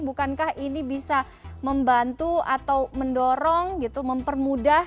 bukankah ini bisa membantu atau mendorong gitu mempermudah